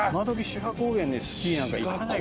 志賀高原にスキーなんか行かない。